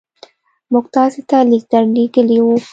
موږ تاسي ته لیک درلېږلی وو.